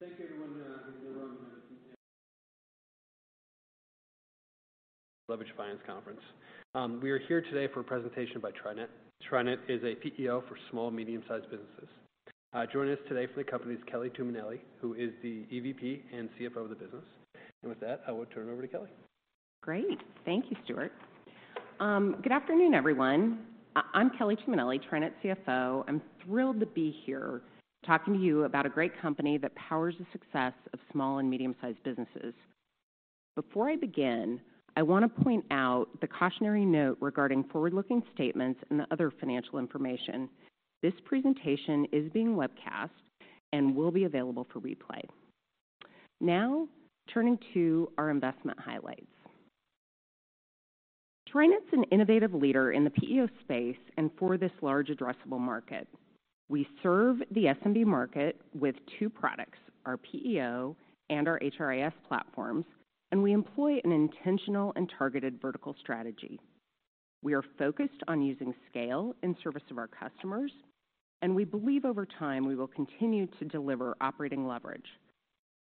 Thank you, everyone. Welcome to the Leveraged Finance Conference. We are here today for a presentation by TriNet. TriNet is a PEO for small, medium-sized businesses. Joining us today for the company is Kelly Tuminelli, who is the EVP and CFO of the business. With that, I will turn it over to Kelly. Great. Thank you, Stuart. Good afternoon, everyone. I'm Kelly Tuminelli, TriNet CFO. I'm thrilled to be here talking to you about a great company that powers the success of small and medium-sized businesses. Before I begin, I want to point out the cautionary note regarding forward-looking statements and the other financial information. This presentation is being webcast and will be available for replay. Now, turning to our investment highlights. TriNet's an innovative leader in the PEO space and for this large addressable market. We serve the SMB market with two products, our PEO and our HRIS platforms, and we employ an intentional and targeted vertical strategy. We are focused on using scale in service of our customers, and we believe over time, we will continue to deliver operating leverage.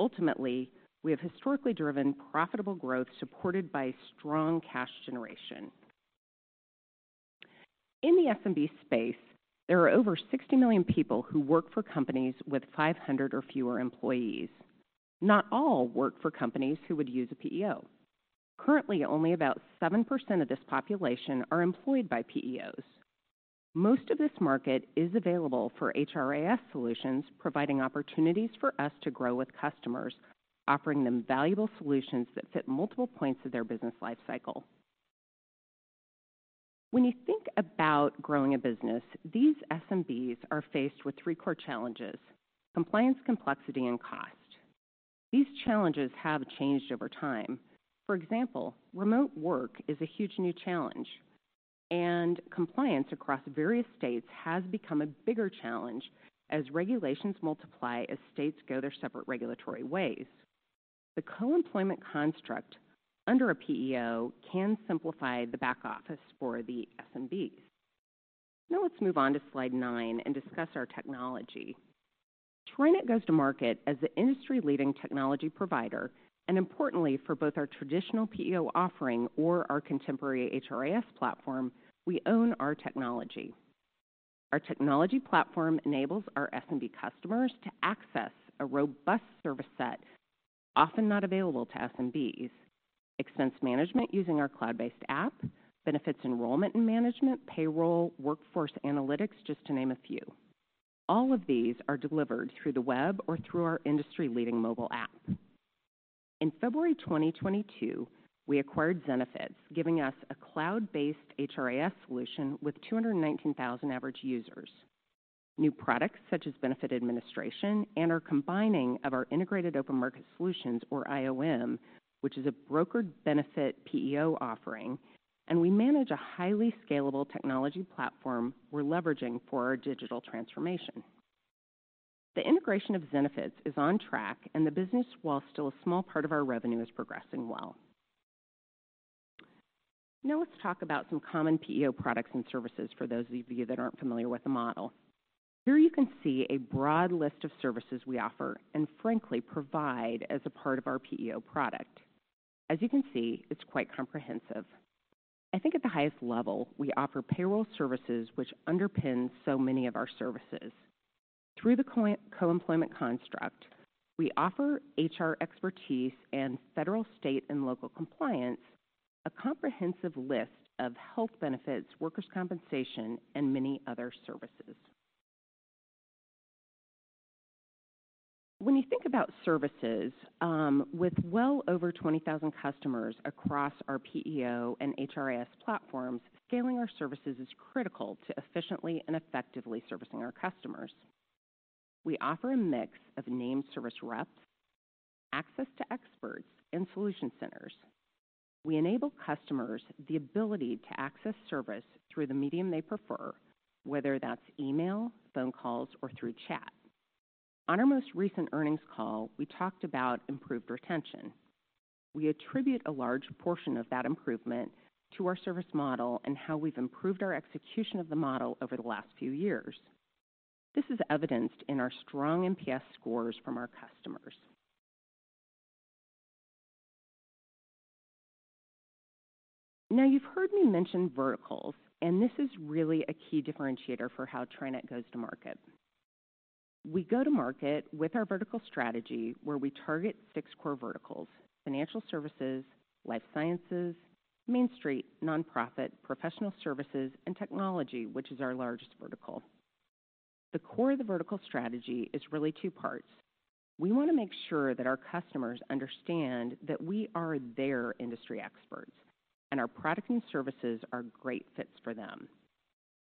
Ultimately, we have historically driven profitable growth, supported by strong cash generation. In the SMB space, there are over 60 million people who work for companies with 500 or fewer employees. Not all work for companies who would use a PEO. Currently, only about 7% of this population are employed by PEOs. Most of this market is available for HRIS solutions, providing opportunities for us to grow with customers, offering them valuable solutions that fit multiple points of their business life cycle. When you think about growing a business, these SMBs are faced with three core challenges: compliance, complexity, and cost. These challenges have changed over time. For example, remote work is a huge new challenge, and compliance across various states has become a bigger challenge as regulations multiply, as states go their separate regulatory ways. The co-employment construct under a PEO can simplify the back office for the SMBs. Now let's move on to Slide 9 and discuss our technology. TriNet goes to market as the industry-leading technology provider, and importantly, for both our traditional PEO offering or our contemporary HRIS platform, we own our technology. Our technology platform enables our SMB customers to access a robust service set, often not available to SMBs. Expense management using our cloud-based app, benefits enrollment and management, payroll, workforce analytics, just to name a few. All of these are delivered through the web or through our industry-leading mobile app. In February 2022, we acquired Zenefits, giving us a cloud-based HRIS solution with 219,000 average users. New products such as benefit administration and are combining of our integrated open market solutions, or IOM, which is a brokered benefit PEO offering, and we manage a highly scalable technology platform we're leveraging for our digital transformation. The integration of Zenefits is on track, and the business, while still a small part of our revenue, is progressing well. Now, let's talk about some common PEO products and services for those of you that aren't familiar with the model. Here you can see a broad list of services we offer and frankly, provide as a part of our PEO product. As you can see, it's quite comprehensive. I think at the highest level, we offer payroll services, which underpin so many of our services. Through the co-employment construct, we offer HR expertise and federal, state, and local compliance, a comprehensive list of health benefits, workers' compensation, and many other services. When you think about services, with well over 20,000 customers across our PEO and HRIS platforms, scaling our services is critical to efficiently and effectively servicing our customers. We offer a mix of named service reps, access to experts, and solution centers. We enable customers the ability to access service through the medium they prefer, whether that's email, phone calls, or through chat. On our most recent earnings call, we talked about improved retention. We attribute a large portion of that improvement to our service model and how we've improved our execution of the model over the last few years. This is evidenced in our strong NPS scores from our customers. Now, you've heard me mention verticals, and this is really a key differentiator for how TriNet goes to market. We go to market with our vertical strategy, where we target six core verticals: financial services, life sciences, Main Street, nonprofit, professional services, and technology, which is our largest vertical. The core of the vertical strategy is really two parts. We want to make sure that our customers understand that we are their industry experts, and our products and services are great fits for them,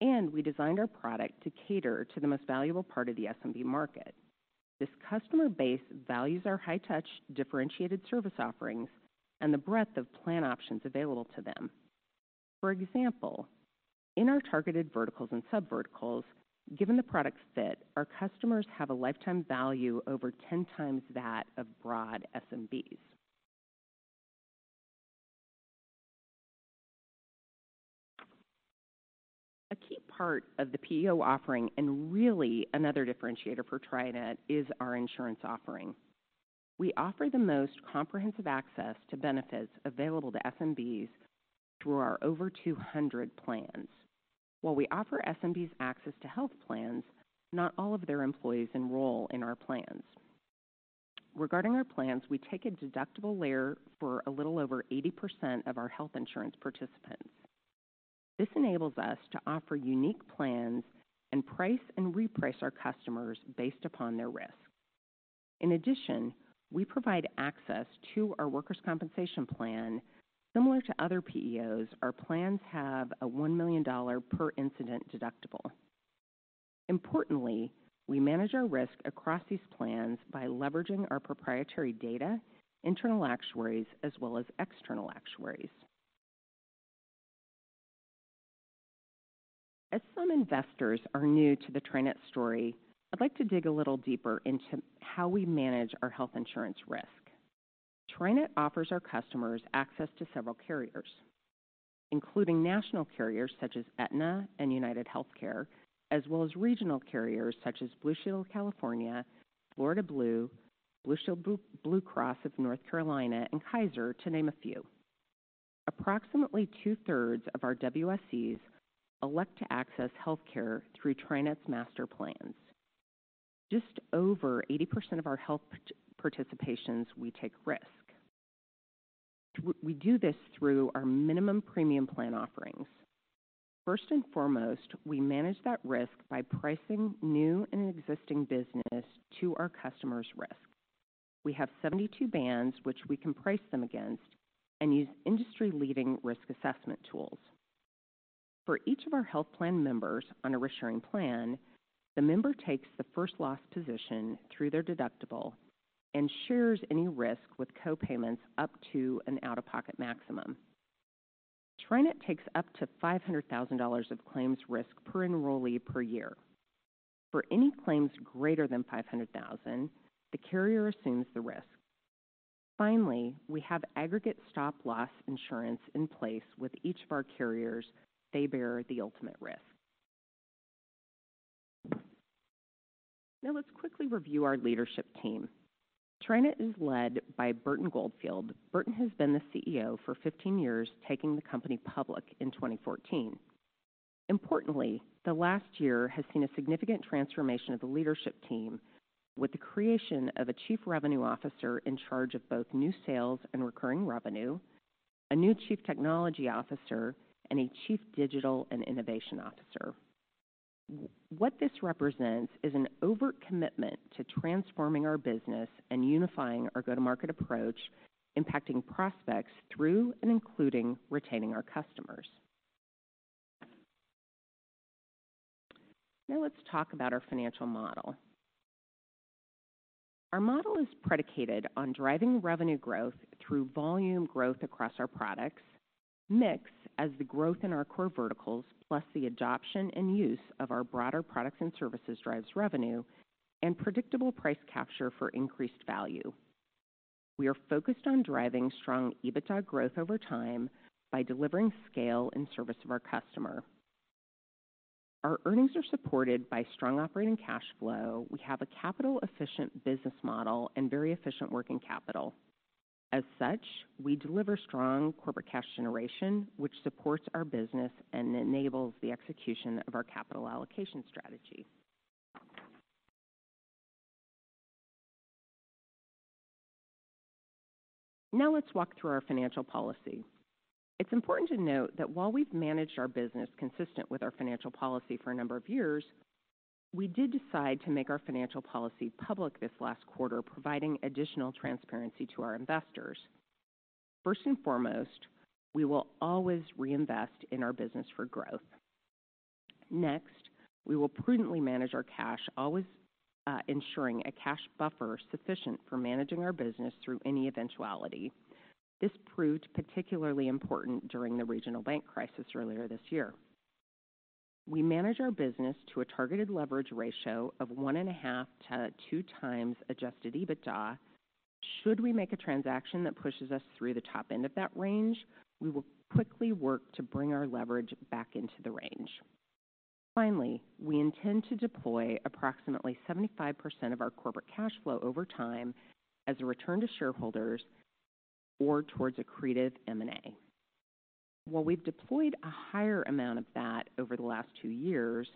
and we designed our product to cater to the most valuable part of the SMB market. This customer base values our high-touch, differentiated service offerings and the breadth of plan options available to them. For example, in our targeted verticals and sub-verticals, given the product fit, our customers have a lifetime value over 10 times that of broad SMBs. A key part of the PEO offering and really another differentiator for TriNet is our insurance offering. We offer the most comprehensive access to benefits available to SMBs through our over 200 plans. While we offer SMBs access to health plans, not all of their employees enroll in our plans. Regarding our plans, we take a deductible layer for a little over 80% of our health insurance participants. This enables us to offer unique plans and price and reprice our customers based upon their risk. In addition, we provide access to our workers' compensation plan. Similar to other PEOs, our plans have a $1 million per incident deductible. Importantly, we manage our risk across these plans by leveraging our proprietary data, internal actuaries, as well as external actuaries. As some investors are new to the TriNet story, I'd like to dig a little deeper into how we manage our health insurance risk. TriNet offers our customers access to several carriers, including national carriers such as Aetna and UnitedHealthcare, as well as regional carriers such as Blue Shield of California, Florida Blue, Blue Shield, Blue Cross Blue Shield of North Carolina, and Kaiser Permanente, to name a few. Approximately two-thirds of our WSEs elect to access healthcare through TriNet's master plans. Just over 80% of our health participations, we take risk. We do this through our minimum premium plan offerings. First and foremost, we manage that risk by pricing new and existing business to our customers' risk. We have 72 bands which we can price them against and use industry-leading risk assessment tools. For each of our health plan members on a reinsurance plan, the member takes the first loss position through their deductible and shares any risk with co-payments up to an out-of-pocket maximum. TriNet takes up to $500,000 of claims risk per enrollee per year. For any claims greater than $500,000, the carrier assumes the risk. Finally, we have aggregate stop-loss insurance in place with each of our carriers. They bear the ultimate risk. Now, let's quickly review our leadership team. TriNet is led by Burton Goldfield. Burton has been the CEO for 15 years, taking the company public in 2014. Importantly, the last year has seen a significant transformation of the leadership team with the creation of a Chief Revenue Officer in charge of both new sales and recurring revenue, a new Chief Technology Officer, and a Chief Digital and Innovation Officer. What this represents is an overt commitment to transforming our business and unifying our go-to-market approach, impacting prospects through and including retaining our customers. Now let's talk about our financial model. Our model is predicated on driving revenue growth through volume growth across our products, mix as the growth in our core verticals, plus the adoption and use of our broader products and services drives revenue, and predictable price capture for increased value. We are focused on driving strong EBITDA growth over time by delivering scale in service of our customer. Our earnings are supported by strong operating cash flow. We have a capital-efficient business model and very efficient working capital. As such, we deliver strong corporate cash generation, which supports our business and enables the execution of our capital allocation strategy. Now let's walk through our financial policy. It's important to note that while we've managed our business consistent with our financial policy for a number of years, we did decide to make our financial policy public this last quarter, providing additional transparency to our investors. First and foremost, we will always reinvest in our business for growth. Next, we will prudently manage our cash, always ensuring a cash buffer sufficient for managing our business through any eventuality. This proved particularly important during the regional bank crisis earlier this year. We manage our business to a targeted leverage ratio of 1.5-2 times adjusted EBITDA. Should we make a transaction that pushes us through the top end of that range, we will quickly work to bring our leverage back into the range. Finally, we intend to deploy approximately 75% of our corporate cash flow over time as a return to shareholders or towards accretive M&A. While we've deployed a higher amount of that over the last two years,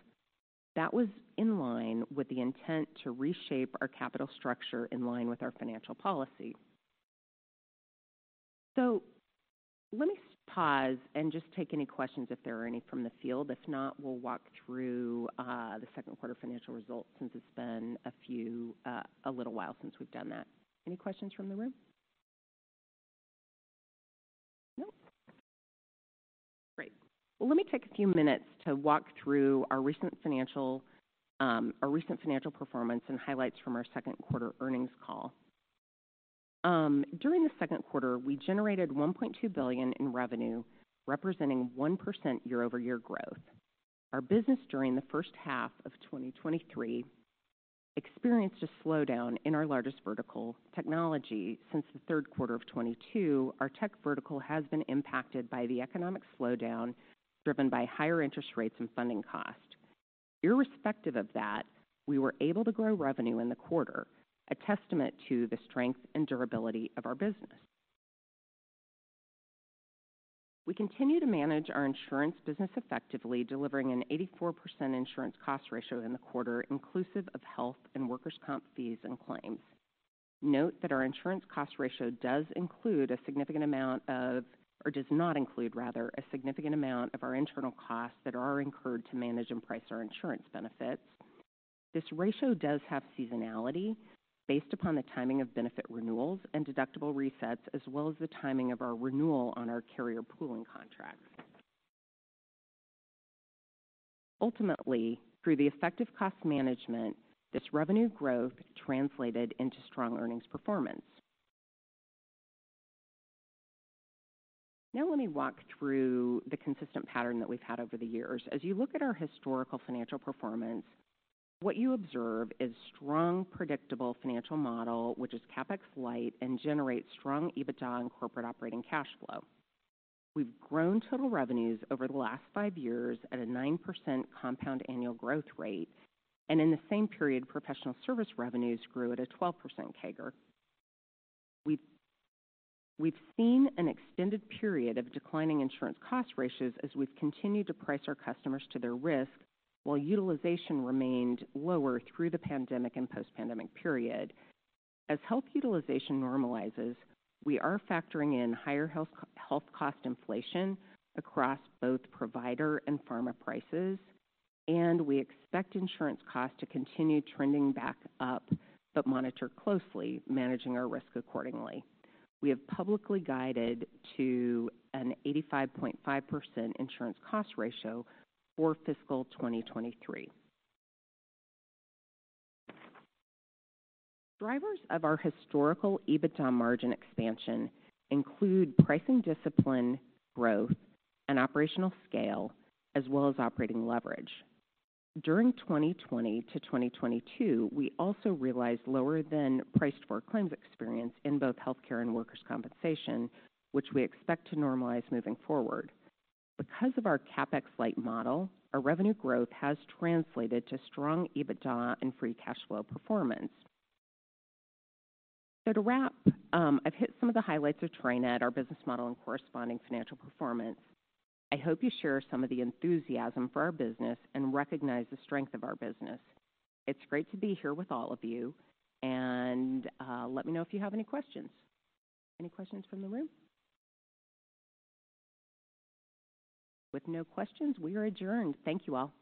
that was in line with the intent to reshape our capital structure in line with our financial policy. So let me pause and just take any questions, if there are any from the field. If not, we'll walk through the second quarter financial results, since it's been a few, a little while since we've done that. Any questions from the room? Nope. Great! Well, let me take a few minutes to walk through our recent financial performance and highlights from our second quarter earnings call. During the second quarter, we generated $1.2 billion in revenue, representing 1% year-over-year growth. Our business during the first half of 2023 experienced a slowdown in our largest vertical technology. Since the Q3 of 2022, our tech vertical has been impacted by the economic slowdown, driven by higher interest rates and funding costs. Irrespective of that, we were able to grow revenue in the quarter, a testament to the strength and durability of our business. We continue to manage our insurance business effectively, delivering an 84% Insurance Cost Ratio in the quarter, inclusive of health and workers' comp fees and claims. Note that our Insurance Cost Ratio does include a significant amount of, or does not include, rather, a significant amount of our internal costs that are incurred to manage and price our insurance benefits. This ratio does have seasonality based upon the timing of benefit renewals and deductible resets, as well as the timing of our renewal on our carrier pooling contracts. Ultimately, through the effective cost management, this revenue growth translated into strong earnings performance. Now, let me walk through the consistent pattern that we've had over the years. As you look at our historical financial performance, what you observe is strong, predictable financial model, which is CapEx light and generates strong EBITDA and corporate operating cash flow. We've grown total revenues over the last five years at a 9% compound annual growth rate, and in the same period, professional service revenues grew at a 12% CAGR. We've seen an extended period of declining Insurance Cost Ratios as we've continued to price our customers to their risk, while utilization remained lower through the pandemic and post-pandemic period. As health utilization normalizes, we are factoring in higher health cost inflation across both provider and pharma prices, and we expect insurance costs to continue trending back up, but monitor closely, managing our risk accordingly. We have publicly guided to an 85.5% Insurance Cost Ratio for fiscal 2023. Drivers of our historical EBITDA margin expansion include pricing discipline, growth, and operational scale, as well as operating leverage. During 2020 to 2022, we also realized lower than priced for our claims experience in both healthcare and workers' compensation, which we expect to normalize moving forward. Because of our CapEx light model, our revenue growth has translated to strong EBITDA and free cash flow performance. So to wrap, I've hit some of the highlights of TriNet, our business model, and corresponding financial performance. I hope you share some of the enthusiasm for our business and recognize the strength of our business. It's great to be here with all of you, and let me know if you have any questions. Any questions from the room? With no questions, we are adjourned. Thank you all.